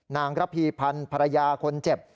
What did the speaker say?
นางระพีพันธ์ภรรยาคนเจ็บ